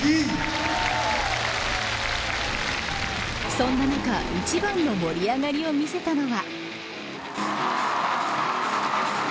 そんな中、一番の盛り上がりを見せたのは。